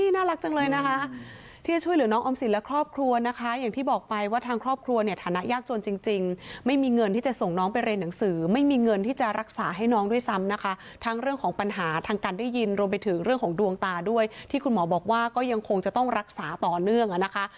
น่ารักจังเลยนะคะที่จะช่วยเหลือน้องออมสินและครอบครัวนะคะอย่างที่บอกไปว่าทางครอบครัวเนี่ยฐานะยากจนจริงไม่มีเงินที่จะส่งน้องไปเรียนหนังสือไม่มีเงินที่จะรักษาให้น้องด้วยซ้ำนะคะทั้งเรื่องของปัญหาทางการได้ยินรวมไปถึงเรื่องของดวงตาด้วยที่คุณหมอบอกว่าก็ยังคงจะต้องรักษาต่อเนื่องอ่ะนะคะ